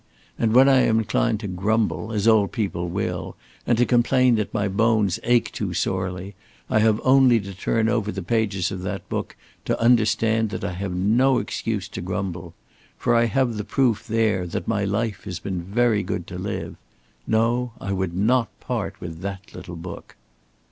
And when I am inclined to grumble, as old people will, and to complain that my bones ache too sorely, I have only to turn over the pages of that book to understand that I have no excuse to grumble. For I have the proof there that my life has been very good to live. No, I would not part with that little book."